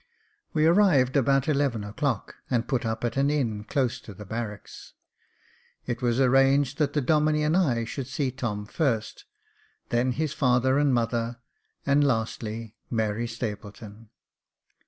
We arrived about eleven o'clock, and put up at an inn close to the barracks. It was arranged that the Domine and I should see Tom first, then his father and mother, and, lastly, Mary Stapleton.